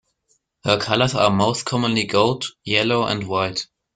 Her colours are most commonly gold, yellow and white.